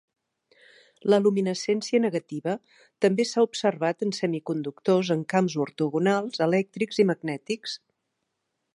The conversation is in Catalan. La luminescència negativa també s'ha observat en semiconductors en camps ortogonals elèctrics i magnètics.